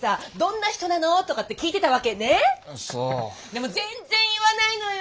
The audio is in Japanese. でも全然言わないのよ。